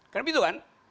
karena begitu kan